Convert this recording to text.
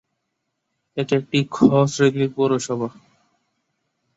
এটি একটি "খ" শ্রেনীর পৌরসভা।